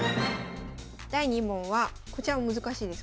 第２問はこちらも難しいです。